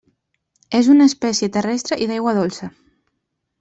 És una espècie terrestre i d'aigua dolça.